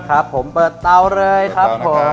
ครับผมเปิดเตาเลยครับผม